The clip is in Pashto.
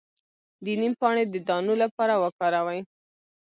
د نیم پاڼې د دانو لپاره وکاروئ